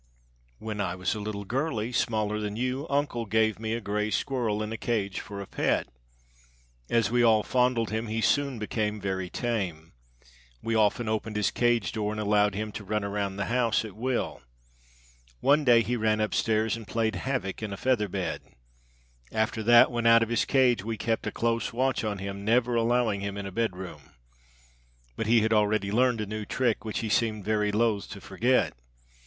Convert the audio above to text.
"When I was a little girlie, smaller than you, uncle gave me a gray squirrel in a cage for a pet. As we all fondled him he soon became very tame. We often opened his cage door and allowed him to run around the house at will. One day he ran upstairs and played havoc in a feather bed. After that when out of his cage we kept a close watch on him, never allowing him in a bedroom. "But he had already learned a new trick which he seemed very loth to forget.